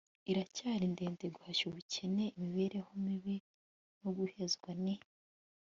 iracyari ndende guhashya ubukene, imibereho mibi no guhezwa ni